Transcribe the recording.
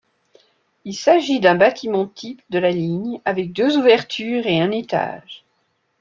Il s'agit d'un bâtiment type de la ligne avec deux ouvertures et un étage.